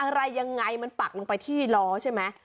อะไรยังไงมันปักลงไปที่ล้อใช่ไหม